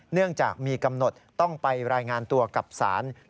เนื่องจากมีกำหนดต้องไปรายงานตัวกับศาล